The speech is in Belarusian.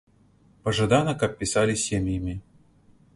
Пажадана, каб пісалі сем'ямі.